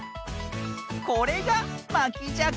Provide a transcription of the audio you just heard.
これがまきじゃく。